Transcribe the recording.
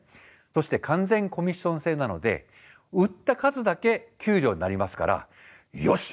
そして完全コミッション制なので売った数だけ給料になりますからよし！